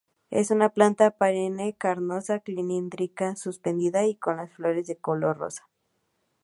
Es una planta perenne carnosa, cilíndrica-suspendida y con las flores de color rosa.